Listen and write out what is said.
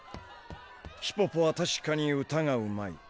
ヒポポはたしかに歌がうまい。